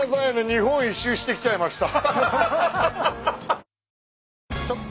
日本一周してきちゃいました。